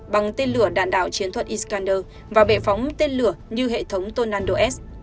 bằng tên lửa đạn đạo chiến thuật iskander và bệ phóng tên lửa như hệ thống tornado s